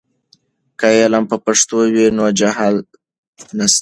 که علم په پښتو وي، نو جهل نشته.